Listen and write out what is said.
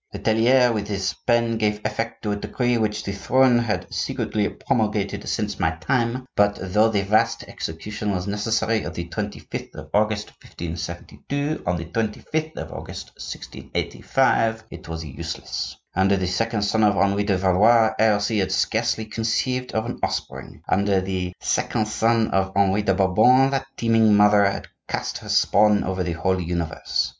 Letellier with his pen gave effect to a decree which the throne had secretly promulgated since my time; but, though the vast execution was necessary of the 25th of August, 1572, on the 25th of August, 1685, it was useless. Under the second son of Henri de Valois heresy had scarcely conceived an offspring; under the second son of Henri de Bourbon that teeming mother had cast her spawn over the whole universe.